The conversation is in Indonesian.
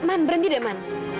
man berhenti deh man